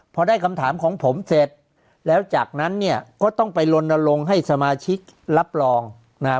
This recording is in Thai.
พอได้คำถามของผมเสร็จแล้วจากนั้นเนี่ยก็ต้องไปลนลงให้สมาชิกรับรองนะฮะ